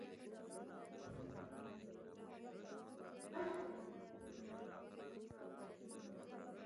د بازار ښه تحلیل د پرمختګ دروازه ده.